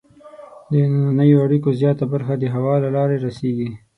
د دنننیو اړیکو زیاته برخه د هوا له لارې رسیږي.